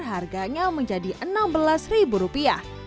harganya menjadi enam belas rupiah